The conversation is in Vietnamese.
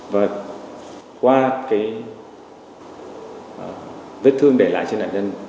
và qua cái vết thương để lại cho nạn nhân